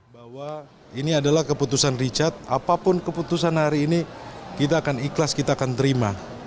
bahwa ini adalah keputusan richard apapun keputusan hari ini kita akan ikhlas kita akan terima